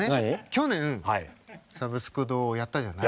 去年「サブスク堂」をやったじゃない？